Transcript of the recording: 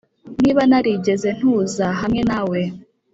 niba narigeze ntuza hamwe nawe,